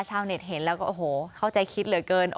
ชาวเน็ตเห็นแล้วก็โอ้โหเข้าใจคิดเหลือเกิน